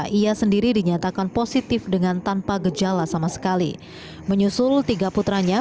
ia sendiri dinyatakan positif dengan tanpa gejala sama sekali menyusul tiga putranya